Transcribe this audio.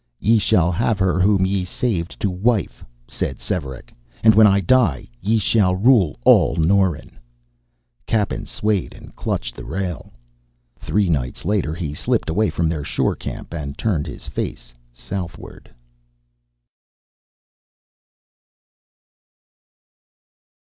"Ye shall have her whom ye saved to wife," said Svearek, "and when I die ye shall rule all Norren." Cappen swayed and clutched the rail. Three nights later he slipped away from their shore camp and turned his face southward.